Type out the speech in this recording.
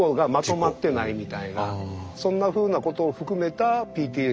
そんなふうなことを含めたＰＴＳＤです。